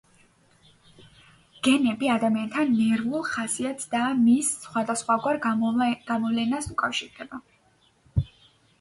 გენები ადამიანთა ნერვიულ ხასიათს და მის სხვადასხვაგვარ გამოვლენას უკავშირდება.